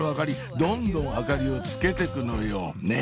どんどん明かりをつけてくのよねぇ